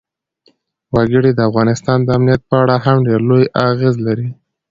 وګړي د افغانستان د امنیت په اړه هم ډېر لوی اغېز لري.